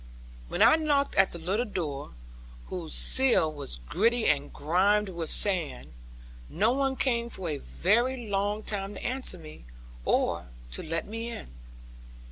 When I knocked at the little door, whose sill was gritty and grimed with sand, no one came for a very long time to answer me, or to let me in.